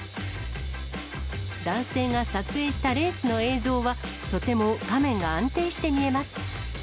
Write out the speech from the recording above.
男性が撮影したレースの映像は、とても画面が安定して見えます。